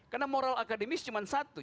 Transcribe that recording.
karena moral akademis cuma satu